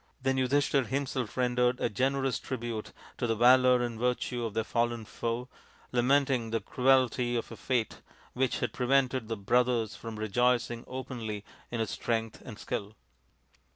Then Yudhishthir himself rendered a generous tribute to the valour and virtue of their fallen foe, lamenting the cruelty of a fate which had prevented the brothers from rejoicing openly in his strength and skill.